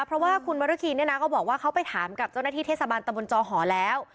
เพราะว่าคุณมรคีเนี่ยนะเขาบอกว่าเขาไปถามกับเจ้าหน้าที่เทศบาลตะบนจอหอแล้ว